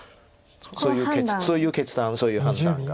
そういう決断そういう判断が。